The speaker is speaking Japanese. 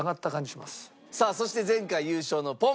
さあそして前回優勝のぽんぽ娘